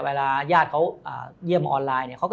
เวลาญาติเขาเยี่ยมออนไลน์เนี่ย